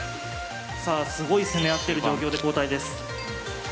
さあすごい攻め合ってる状況で交代です。